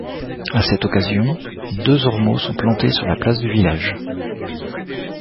À cette occasion, deux ormeaux sont plantés sur la place du village.